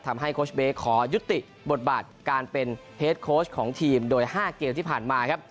โค้ชเบย์ขอยุติบทบาทการเป็นเฮดโค้ชของทีมโดย๕เกมที่ผ่านมาครับ